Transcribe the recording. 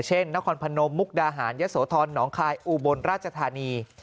นครพนมมุกดาหารยะโสธรหนองคายอุบลราชธานี